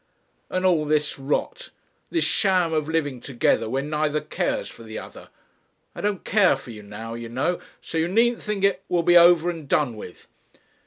And all this rot this sham of living together when neither cares for the other I don't care for you now, you know, so you needn't think it will be over and done with.